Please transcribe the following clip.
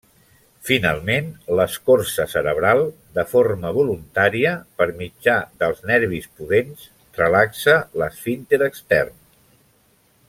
Finalment, l'escorça cerebral, de forma voluntària, per mitjà dels nervis pudents, relaxa l'esfínter extern.